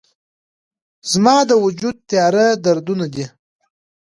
زما د وجود تیاره دردونه دي